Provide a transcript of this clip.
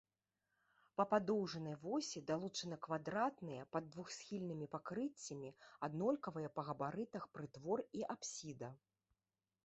Па падоўжнай восі далучаны квадратныя пад двухсхільнымі пакрыццямі аднолькавыя па габарытах прытвор і апсіда.